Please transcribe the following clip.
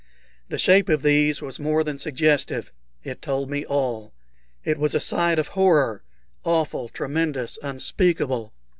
The shape of these was more than suggestive it told me all. It was a sight of horror awful, tremendous, unspeakable!